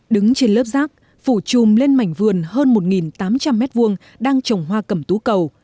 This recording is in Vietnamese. đứng trên lớp rác phủ chùm lên mảnh vườn hơn một tám trăm linh m hai đang trồng hoa cầm tú cầu